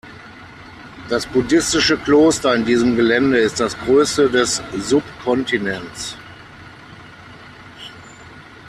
Das buddhistische Kloster in diesem Gelände ist das größte des Subkontinents.